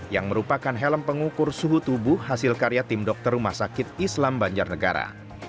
yang merupakan helm pengukur suhu tubuh hasil karya tim dokter rumah sakit islam banjarnegara